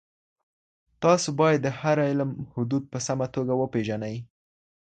تاسو باید د هر علم حدود په سمه توګه وپېژنئ.